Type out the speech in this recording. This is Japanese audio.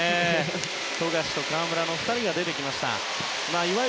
富樫、河村が２人とも出てきました。